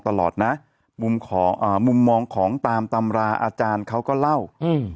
ตลอดนะมุมของอ่ามุมมองของตามตำราอาจารย์เขาก็เล่าอืม